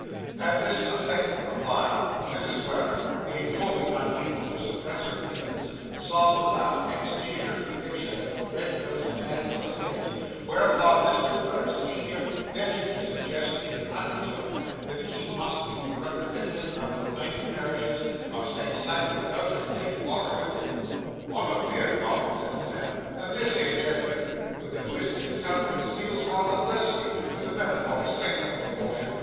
At this affecting reply, Mrs. Weller, being wholly unable to suppress her feelings, sobbed aloud, and stated her conviction that the red nosed man was a saint; whereupon Mr. Weller, senior, ventured to suggest, in an undertone, that he must be the representative of the united parishes of St. Simon Without and St. Walker Within. 'I'm afeered, mum,' said Sam, 'that this here gen'l'm'n, with the twist in his countenance, feels rather thirsty, with the melancholy spectacle afore him.